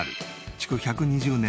築１２０年？